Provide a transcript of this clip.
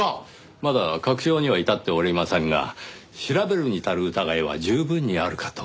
まだ確証には至っておりませんが調べるに足る疑いは十分にあるかと。